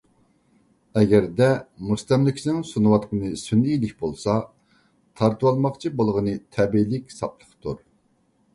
ئەگەردە مۇستەملىكىچىنىڭ سۇنۇۋاتقىنى سۈنئىيلىك بولسا، تارتىۋالماقچى بولغىنى تەبىئىيلىك، ساپلىقتۇر.